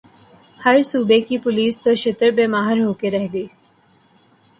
ہر صوبے کی پولیس تو شتر بے مہار ہو کے رہ گئی ہے۔